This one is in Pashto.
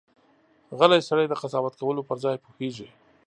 غلی سړی، د قضاوت کولو پر ځای پوهېږي.